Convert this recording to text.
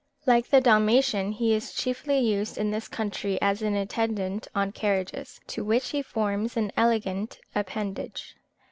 Like the Dalmatian, he is chiefly used in this country as an attendant on carriages, to which he forms an elegant appendage.